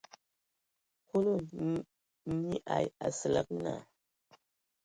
Kulu nye ai Asǝlǝg naa.